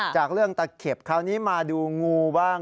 จากเรื่องตะเข็บคราวนี้มาดูงูบ้าง